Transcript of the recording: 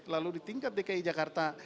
lalu di tingkat dki jakarta